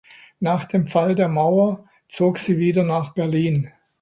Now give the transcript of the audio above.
Nach dem Fall der Mauer zog sie wieder nach Berlin.